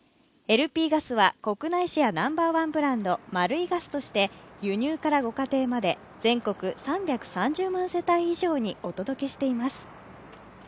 ＬＰガスは、国内シェアナンバーワンブランドＭａｒｕｉＧａｓとして輸入からご家庭まで全国３３０万世帯以上にお届けしています。